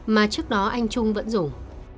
mà trước đó anh trung vẫn dùng